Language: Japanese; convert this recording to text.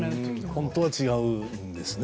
本当は違うんですね